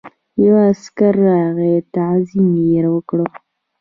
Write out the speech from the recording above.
یو عسکر راغی تعظیم یې وکړ.